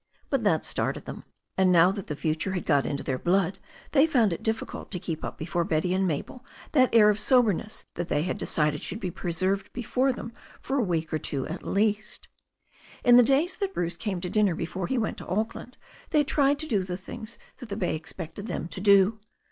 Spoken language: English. But that started them, and now that the future had got into their blood they found it difficult to keep up before Betty and Mabel that air of soberness that tiiey decided should be preserved before them for a week or two at least. In the days that Bruce came to dinner before he went to Auckland they tried to do the things that the bay expected them to do.